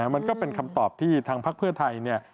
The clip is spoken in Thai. มันก็เป็นคำตอบที่ทางพักเพื่อไทยเนี่ย